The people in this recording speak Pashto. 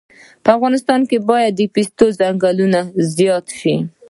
په افغانستان کې باید د پستې ځنګلونه زیات شي